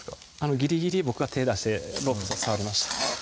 ギリギリ僕が手出してロープ触りました